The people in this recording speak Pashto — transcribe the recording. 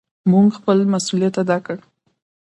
مونږ خپل مسؤليت ادا کړ.